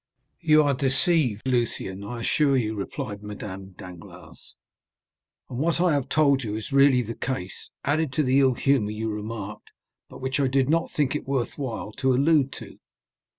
"You are deceived, Lucien, I assure you," replied Madame Danglars; "and what I have told you is really the case, added to the ill humor you remarked, but which I did not think it worth while to allude to."